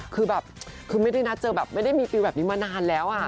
คือแบบคือไม่ได้นัดเจอแบบไม่ได้มีฟิลแบบนี้มานานแล้ว